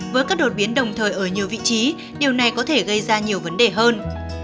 với các đột biến đồng thời ở nhiều vị trí điều này có thể gây ra nhiều vấn đề hơn